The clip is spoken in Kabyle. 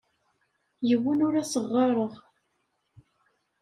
Yiwen ur as-ɣɣareɣ.